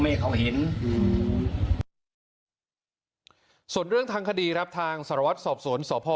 ไม่ยอมไม่ยอมไม่ยอม